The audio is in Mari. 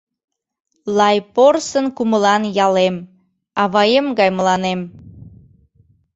Лай порсын кумылан ялем, Аваем гай мыланем.